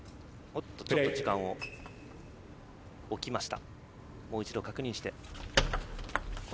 ちょっと時間を置きました。